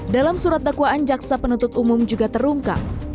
dalam surat dakwaan jaksa penuntut umum juga terungkap